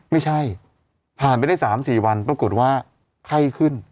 ไม่ใช่ผ่านไปได้๓๔วันปรากฏว่าไข้ขึ้น